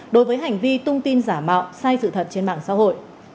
đối với hành vi tung tin giả mạo sai sự thật trên mạng xã hội